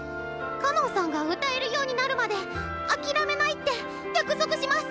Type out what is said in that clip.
かのんさんが歌えるようになるまで諦めないって約束シマス！